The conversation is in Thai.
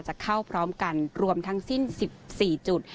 จะเข้าพร้อมกันรวมทั้งสิ้น๑๔จุด